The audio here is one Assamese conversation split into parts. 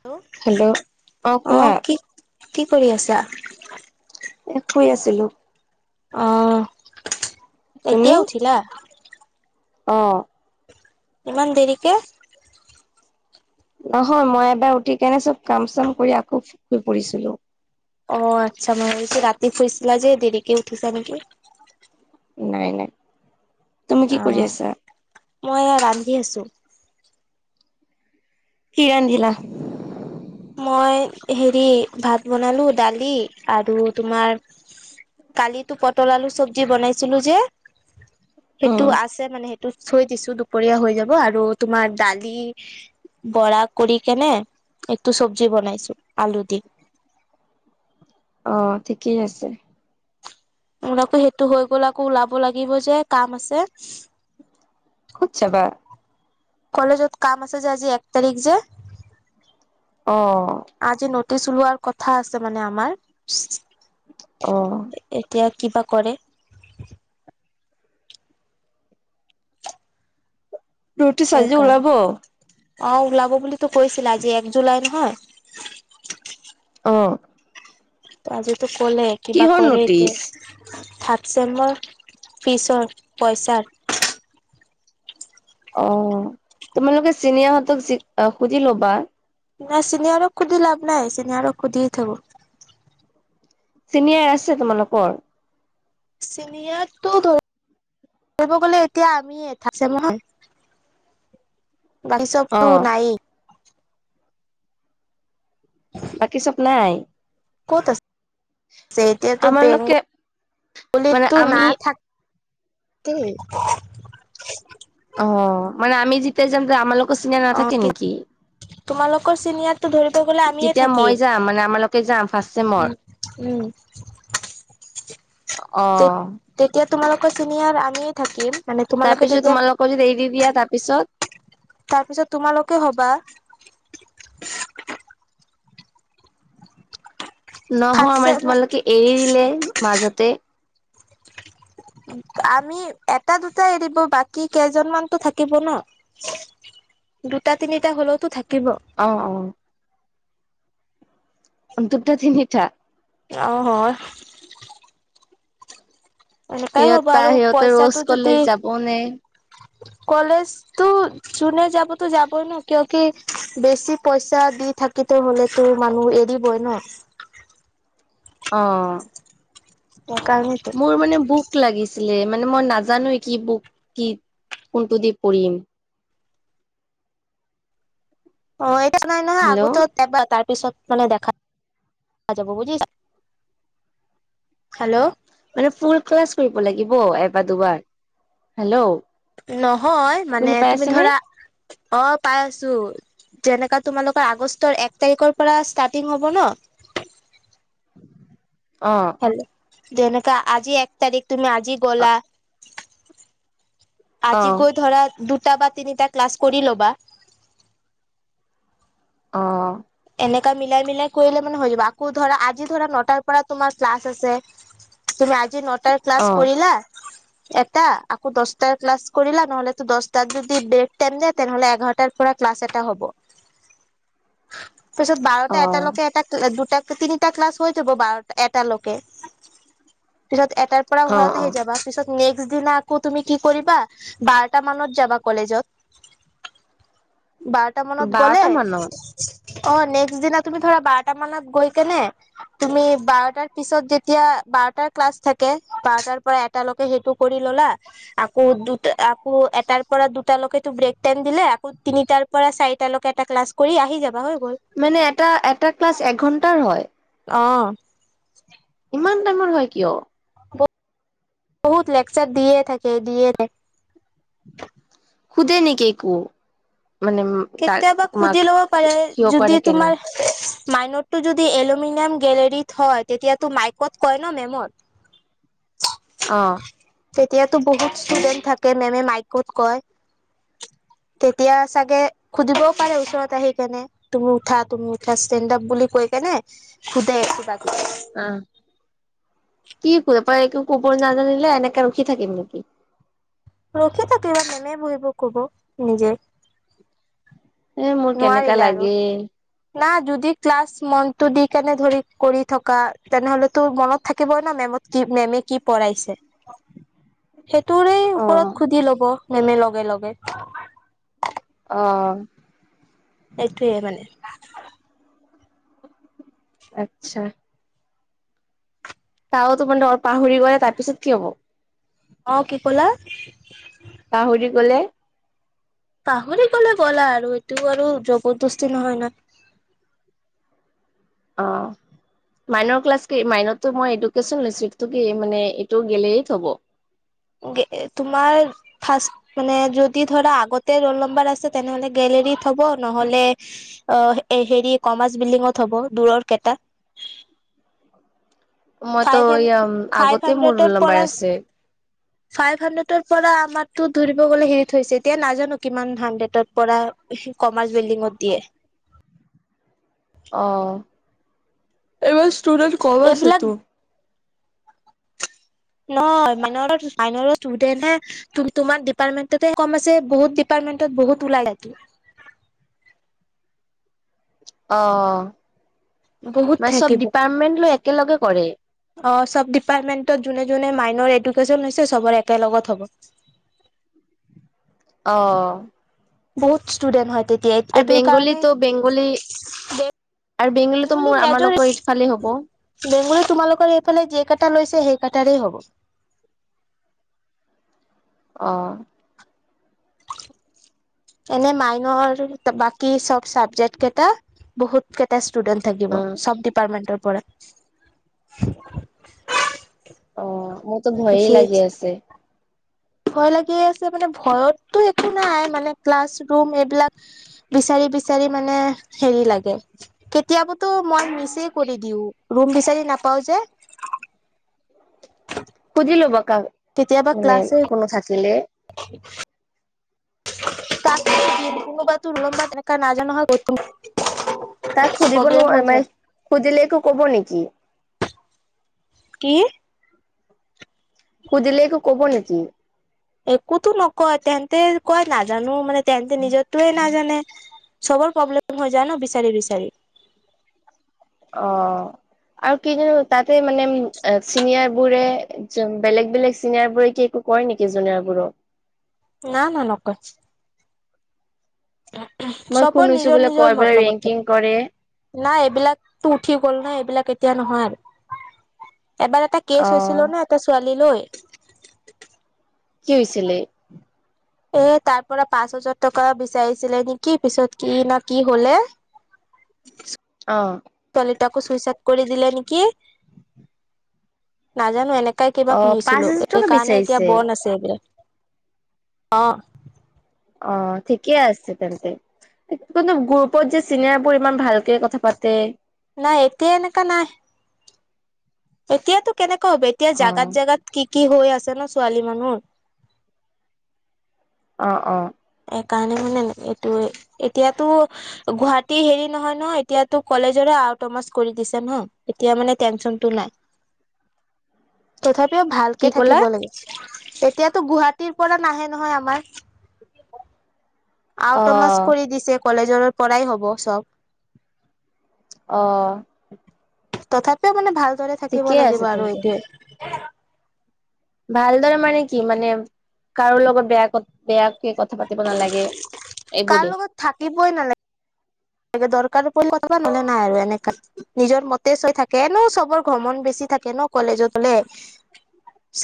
হেল্ল' অ কি কি কৰি আছা? এ শুই আছিলো অ এতিয়া উঠিলা? অঁ ইমান দেৰিকে নহয় মই এবাৰ উঠি কেনে চব কাম চাম কৰি আকৌ শুই পৰিছিলো অ আচ্ছা মই ভাবিছো ৰাতি শুইছিলা যে দেৰিকে উঠিছা নেকি? নাই নাই তুমি অ কি কৰি আছা? মই ৰান্ধি আছো। কি ৰান্ধিলা মই হেৰি ভাত বনালো দালি আৰু তোমাৰ কালিতো পটল, আলু চব্জি বনাইছিলো যে সেইটো উম আছে মানে সেই থৈ দিছো দুপৰীয়া হৈ যাব আৰু তোমাৰ দালি বৰা কৰি কেনে টো চব্জি বনাইছো আলু দি। অ ঠিকেই আছে। মোৰ আকৌ সেইটো হৈ গল আকৌ ওলাব লাগিব যে কাম আছে। ক'ত জাবা? কলেজত কাম আছে যে আজি এক তাৰিখ যে। অ চলোৱাৰ কথা আছে মানে আমাৰ। অহ‌ এতিয়া কিবা কৰে। ৰুটি চাজি সেইকাৰণে ওলাব। অ ওলাব বুলিতো কৈছিলা আজি এক জুলাই নহয়। অ ত আজিতো ক'লে কিবা কিহৰ কৰে নটিচ এতিয়া থাক। চেমৰ ফিচৰ পইচাৰ। অ তোমালোকে চিনিয়াহঁতক যি সুধি ল'বা। নাই চিনিয়ৰক সুধি লাভ নাই চিনিয়ৰক সুধি থব। চিনিয়াৰ আছে তোমালোকৰ। চিনিয়াতটো ধৰি। ব গলে এতিয়া আমিয়ে থাতচেমৰ। বাকী অ চবতো নাই। বাকী চব নাই। ক'ত আছে এতিয়াতো আমালোকে মানে বেংগলংগলীতো না আমি থাক কে। অ মানে আমি যাম যে আমাৰ লগত চিনিয়াৰ অ নাথাকে নেকি। তোমালোকৰ চিনিয়ৰটো ধৰিব গলে আমিয়ে যেতিয়া মই থাকিম যাম মানে আমালোকে যাম ফাৰ্ষ্ট উ। চেমৰ উম। অ তে তেতিয়া তোমালোকৰ চিনিয়াৰ আমিয়ে থাকিম। মানে তোমালোকে তাৰপিছত তেতিয়া তোমালোকৰ যদি এৰি দিয়া তাৰপিছত তাৰপিছত তোমালোকে হবা। ফাৰ্ষ্ট নহয় মানে চেমত তোমালোকে এৰি দিলে মাজতে। [inaudible] আমি এটা দুটাই এৰিব বাকী কেইজনমানতো থাকিব ন। দুটা তিনিটা হলেওতো থাকি। অ অ। দুটা তিনিটা। অহ সেইকোৱাই হ'ব সিহঁতা আৰু সিহঁতে ৰ'জ পইচাটো যদি। কলেজ যাব নে কলেজতো যোনে যাবতো যাবই ন কিয় কি বেছি পইচা দি থাকিতো হলেতো মানুহটো এৰিবই ন। অ। সেইকাৰণেতো। মোৰ মানে বুক লাগিছে ছিলে মানে মই নাজানোে কি বুক কি কোনটো দি পঢ়িম। অ এতিয়া নাই নহয় আগতো হেল্ল' এবাৰ তাৰ পিছত মানে দেখা যাব বুজিছা হেল্ল' মানে ফুল ক্লাছ কৰিব লাগিব এবাৰ দুবাৰ হেল্ল' নহয় মানে শুনি পাই তুমি আছেনে? ধৰা অ পাই আছো যেনেকা তোমালোকৰ আগষ্টৰ এক তাৰিখৰ পৰা ষ্টাৰ্টিং হ'ব ন অ। হেল্ল' যেনেকা আজি এক তাৰিখ তুমি আজি গ'লা আজি অ গৈ ধৰা দু টা বা তিনিটা ক্লাছ কৰি ল'বা অ। এনেকা মিলাই মিলাই কৰিলে মানে হৈ যাব। আকৌ ধৰা আজি ধৰা নটাৰ পৰা তোমাৰ ক্লাছ আছে তুমি আজি নটাৰ ক্লাছ অ', কৰিলা? এটা আকৌ দচটাৰ ক্লাছ কৰিলা, নহ'লে দচটাৰ যদি ব্ৰেক টাইম দিয়ে, তেনেহলে এঘাৰটাৰ পৰা ক্লাছ এটা হ'ব। পিছত বাৰটা অ', এটালকে এটা দুটা তিনিটা ক্লাছ হৈ যাব বাৰ এটা লৈকে। পিছত এটাৰ পৰা অ', ঘৰত আহি অ', যাবা। পিছত নেক্স দিনা আকৌ তুমি কি কৰিবা, বাৰটা মানত যাবা কলেজত। বাৰটা মানত গ'লে বাৰটা মানত? অ নেক্স দিনা তুমি ধৰা বাৰটা মানত গৈ কেনে তুমি বাৰটাৰ পিছত যেতিয়া বাৰটাৰ ক্লাছ থাকে, বাৰটাৰ পৰা এটালৈকে সেইটো কৰি ললা, আকৌ দুটা আকৌ এটাৰ পৰা দুটালৈকে ব্ৰেক টাইম দিলে, আকৌ তিনিটাৰ পৰা চাৰিটালৈকে এটা ক্লাছ কৰি আহি যাবা হয় মানে এটা এটা ক্লাছ এঘণ্টাৰ হয়? অ। ইমান টাইমৰ হয় কিয়? বহুত লেকচাৰ দিয়ে থাকে দিয়ে থাকে। শুধে নেকি একো? মানে তাক কেতিয়াবা মাক সুধি ল'ব পাৰে, কিয় কৰে যদি কেনে? তোমাৰ মাইনতটো যদি এলুমিনিয়াম গেলেৰিত হয়, তেতিয়াতো মাইকত কয় ন মেমত [inaudible] অ। তেতিয়াতো বহুত ষ্টুডেন্ট থাকে মেমে মাইকত কয় তেতিয়া চাগে সুধিবও পাৰে ওচৰত আহি কেনে, তুমি উঠা তুমি উঠা ষ্টেড আপ বুলি কৈ কেনে সুধে কিবা কিবি অহ। কি কৰে পৰা এক একো কব নাজানিলে এনেকে ৰখি থাকিম নেকি? ৰখি থাকে, মেমে বহিব কব নিজে। এ মোৰ কেনেকা নোৱাৰিলে আৰু লাগে। না যদি ক্লাছ মনটো দি কেনে ধৰি কৰি থকা, তেনেহ'লেতো মনত থাকিবই ন মেম কি মেমে কি পঢ়াইছে। সেইটোৰে অ', ওপৰত সুধি লব মেমে লগে লগে। অ। সেইটোয়ে মানে আচ্ছা। টাওতো মাৰ [unintelligible] অলপ পাহৰি গ'লে তাৰপিছত কি হব? অ কি কলা? পাহৰি গলে, পাহৰি গলে গ'লা আৰু এইটোও আৰু জবৰদস্তি নহয় ন। অ মাইনৰ ক্লাছ কি মাইনত, টো মই এডুকেশচন লৈছো, এইটো কি মান এইটো গেলেৰিত হব? তোমাৰ ফাৰ্ষ্ট যদি ধৰা আগতে ৰল নাম্বাৰ আছে তেনেহলে গেল- লেৰিত হ'ব, নহলে অ হেৰি কমাৰ্চ বিল্ডিঙত হ'ব দূৰৰ কেইটাত। [inaudible] মইতো ফাইভ হেন এয়া ফাইভ আগতে মোৰ ৰোল হানড্ৰেডৰ নাম্বাৰ পৰা, আছে ফাইভ হাড্ৰেডৰ পৰা আমাৰতো ধৰিব গলে হেৰিত হৈছে, এতিয়া নাজানো কিমান হাড্ৰেডৰ পৰা। কমাৰ্চ বিল্ডিংত দিয়ে। অ। এইবাৰ ষ্টুডেণ্ট কম আছে এইবিলাক টো। ন মান মাই ষ্টুডেন্ট হে তোমাৰ ডিপাৰ্টমেন্টতে কম আছে। বহুত ডিপ - মেন্টত মটত বহুত ওলাই যাই টো। অ। বহুত মানে চব থাকিব অ ডিপাৰ্টমেন্ট লৈ একেলগে কৰে চব ডিপাৰ্টমেন্টত জোনে জোনে জোনে মাইনৰ এডুকেছন হৈছে চবৰে একেলগত হ'ব। অ। বহুত ষ্টুডেন্ট হয় তেতিয়া আৰু এইটোৰ কাৰণে বেংগলীতো বেংগলী আৰু বেগ বেংগলীতো বেংগলী মোৰ মেজৰ আমালোকৰ ইফালে হ'ব বেংগলী তোমালোকৰ এইফালে যে কেইটা লৈছে সেই কটা। তাৰে হ'ব। অহ। [inaudible] এনে মাইনৰ বাকী চব চাবজেক্ট কেইটা বহুত কেইটা- ষ্টুডেণ্ট থাকিব উম চব ডিপাৰ্টমেন্টৰ পৰা। অ মোৰতো ভয় লাগি আছে। ভয় লাগি আছে মানে ভয়তো একো নাই মানে ক্লাছ ৰুম এইবিলাক বিচাৰি বিচাৰি বিচাৰি মানে হেৰি লাগে। কেতিয়াবা মই মিছ কৰি দিও ৰুম বিচাৰি নাপাও যে। সুধিলো বা- কেতিয়াবা ক্লাছে ব তোৰওলম্বা তেনেকুৱা নাজানো হয় কত। তাক শুধিবলো অ মাই শুধিলো একো কব নেকি। কি শুধিলে একো কব নেকি। একোতো নকয় তেন্তে কয় নাজানো মানে তেন্তে নিজৰটোৱে নাজানে। চবৰ প্ৰব্লেম হৈ যায় ন বিচাৰি বিচাৰি। অ। আৰু কি জানো তাতে মানে চিনিয়ৰ বোৰে বেলেগ বেলেগ চিনিয়ৰ বোৰে কি একো- কয় নেকি যোনিয়েৰবোৰক। না না নকয়। মই চপৰ শুনিছো নিজৰ বোলে নিজৰ কয় বোলে মতলবত ৰেংকিং কৰে থাকে। নাই এইবিলাকতো উঠি গ'ল ন এইবিলাক। কেতিয়া নহয় আৰু এবাৰ এটা কেচ হৈছিল অ' নে এটা ছোৱালী লৈ [inaudible] কি হৈছিলে? এ তাৰ পৰা পাঁচ হাজাৰ টকা বিচাৰিছিলে নেকি পিছত কি না কি হলে [unintelligible] অ' তাকো চুই চাইদ কৰি দিলে নেকি। নাজানো এনেকাই কিবা অ' পাঁচ শুনিছিলো হাজাৰ এই টকা কাৰণে এতিয়া বিচাৰিছে বণ আছে এইবিলাক। অ', অহ, ঠিকেই আছে তেন্তে। কিন্তু, গ্ৰুপত যে চিনিয়াৰ বোৰ ইমান ভালকে কথা পাতে নাই এতিয়া এনেকা নাই। এতিয়াতো কেনেকুৱা হ'ব এতিয়া অ'। জাগাত- জাগাত কি -কি হৈ আছে ন' ছোৱালী মানুহৰ। অহ - অহ। সেইকাৰণে মানে এইটো এতিয়াতো গুৱাহাটী হেৰি নহয় -নহয় এতিয়াতো কলেজৰে আওটমাছ কৰি দিছে ন' এতিয়া মানে টেনচনটো নাই। তথাপিও কি ভালকে ক'লা? থাকিব লাগিছে। এতিয়াতো গুৱাহাটীৰ পৰা নাহে নহয় আমাৰ। আউটমছ অ' কৰি দিছে কলেজৰ পৰাই হ'ব চব। অহ। তথাপিও মানে ভালদৰে থাকিব আছে লাগিব আৰু তেন্তে। এইটোৱে। ভালদৰে মানে কি মানে কাৰো লগত বেয়া কত বেয়া কথা পাতিব নালাগে কাৰ এইবোৰে লগত থাকিবই [unintelligible] দৰকাৰ পৰিলে কথা কবা নহলে নাই আৰু এনেকা নিজৰ মতে চৈ থাকে এনো চবৰ ঘমণ বেছি থাকে ন' কলেজত হলে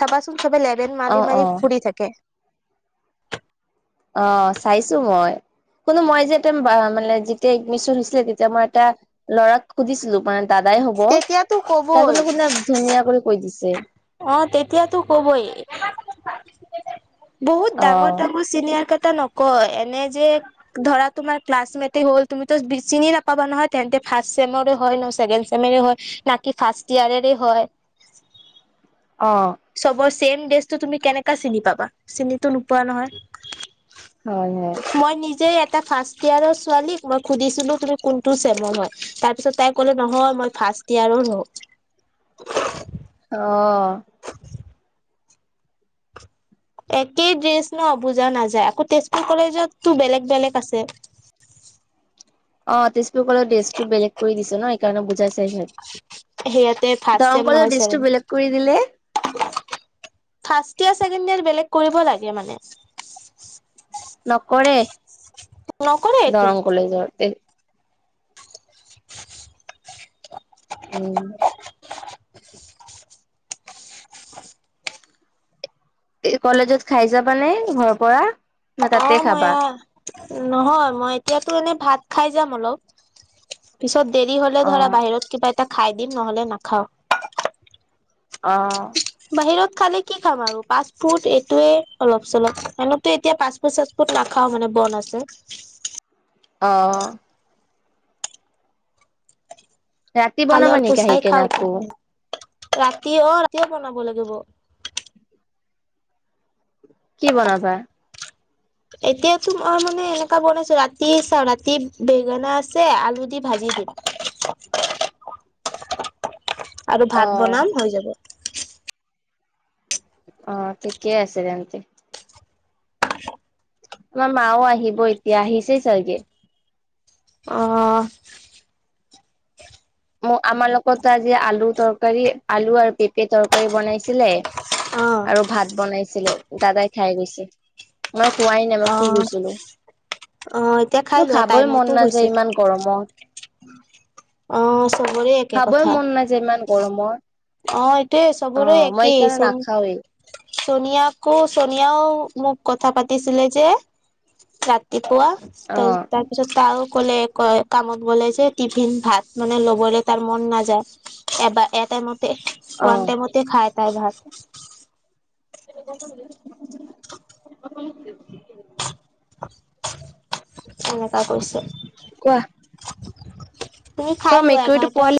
চাবাচোন চবে লেভেন অ মাৰি অ -মাৰি ফুৰি থাকে। অহ, চাইছো মই। কুনো মই যে এ মানে যেতিয়া এডমিশন হৈছিলে তেতিয়া মই এটা ল'ৰাক সুধিছিলো মানে দাদাই হ'ব তেতিয়াতো তাইকন্ত কবই কোনে ধুনীয়া কৰি কৈ দিছে। অহ, তেতিয়াতো কবই বহুত অ ডাঙৰ -ডাঙৰ চিনিয়াৰ কেটা নকয় এনে যে ধৰা তোমাৰ ক্লাছমেট হল তুমিটো চিনি নাপাবা নহয় তেন্তে ফাৰ্ষ্ট চেমৰে হয় ন'চেছেণ্ড চেমৰে মেৰে হয় না কি ফাৰ্ষ্ট ইয়াৰেৰে হয়। অহ চেম ড্ৰেছটো তুমি কেনেকা চিনি পাবা চিনিটো নোপোৱা নহয়। হয় হয় মই নিজে এটা ফাৰ্ষ্ট ইয়াৰৰ ছোৱালীক মই সুধিছিলো তুমি কোনটো ছেমৰ হয় তাৰপিছত তাই কলে নহয় মই ফাৰ ফাৰ্ষ্ট ইয়াৰৰ হও অহ একেই ড্ৰেছ ন' বুজা নাযায় আকৌ তেজপুৰ কলেজতো বেলেগ -বেলেগ আছে। [inaudible] অহ, তেজপুৰকলেজৰ ড্ৰেছ টো বেলেগ কৰি দিছে ন এইকাৰণে বুজাই চাইচে। সেয়াতে ফাৰ্ষ্ট চেম নহয় ড্ৰেছটো চেভেন বেলেগ কৰি দিলে ফাষ্ট ইয়াৰ ছেকেণ্ড ইয়াৰ বেলেগ কৰিব লাগে মানে নকৰে নকৰে এইটো দৰং কলেজৰ তে [inaudible] উম [inaudible] কলেজত খাই যাবানে ঘৰৰ পৰা? ন অহ, তাতে খাবা মায়া। নহয় মই এতিয়াতো এনে ভাত খাই যাম অলপ পিছত দেৰি হলে অ ধৰা বাহিৰত কিবা এটা খাই দিম নহলে নাখাওঁ। অ', বাহিৰত খালে কি খাম আৰু পাষ্ট ফুড এইটোৱে অলপ -চলপ এনতো এতিয়া পা পাচ ফুট -চাছ ফুট নাখাও মানে বন আছে। অহ ৰাতি খালে বনাবা নেকি আহি অলপোচকাই কেনে খাওঁ আকৌ [unintelligible] ৰাতি অহ ৰাতিয়ে বনাব লাগিব। কি বনাবা? [inaudible] এতিয়াতো মই মানে এনেকা বনাইছো ৰাতি চাওঁ ৰাতি বেঙেনা আছে আলু দি ভাজি দিম আৰু অ ভাত বনাম হৈ যাব। অ ঠিকেই আছে তেন্তে। তোমাৰ মাও আহিব এতিয়া আহিছেই চাগে আহ ম আমাৰ লগত আজি আলু তৰকাৰী আলু আৰু পেপে তৰকা ৰী বনাইছিলে অ আৰু ভাত বনাইছিলে দাদাই খাই গৈছে মই খোৱাই নাই মই অ শুই গৈছিলো অ এতিয়া খাই মোৰ লোৱা খাবই টাইমতো মন হৈছে নাযায় ইমান গৰমত অ চবৰে একে খাবই কথা মন নাযায় ইমান গৰমত অ এইটোৱে অ চবৰে মই একেই এইকাৰণে চন নাখাওৱেই চোনিয়াকো চোনিয়াও মোক কথা পাতিছিলে যে ৰাতি পোৱা অ তাৰপিছতে তাইও ক'লে কয় কামত গ'লে যে টিফিন ভাত মানে ল'বলে তাৰ মন নাযায় এবাৰ এ টাইমত অ ওৱান টাইমতে খাই তাই ভাত [unintelligible] [inaudible] এনেকা কৈছে কোৱা তুমি খাই তই লোৱা মেকুৰীটো এঘাৰটা পোৱালি